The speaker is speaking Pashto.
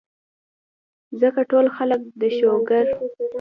ځکه ټول خلک د شوګر ،